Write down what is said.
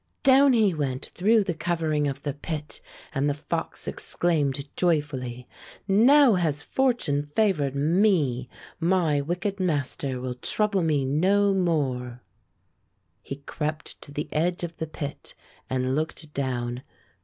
Down he went through the covering of the pit, and the fox exclaimed joyfully: "Now has fortune favored me! My wicked master will trouble me no more." 152 Fairy Tale Foxes He crept to the edge of the pit and looked down.